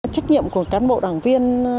trách nhiệm của cán bộ đảng viên